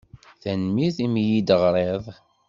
Tanemmirt i mi yi-d-teɣṛiḍ.